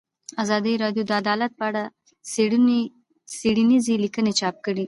ازادي راډیو د عدالت په اړه څېړنیزې لیکنې چاپ کړي.